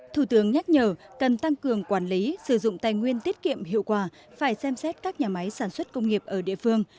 thủ tướng nhắc nhở cần tăng cường quản lý sử dụng tài nguyên tiết kiệm hiệu quả phải xem xét các nhà máy sản xuất công nghiệp ở địa phương